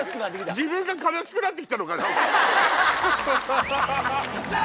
自分が悲しくなって来たのかな？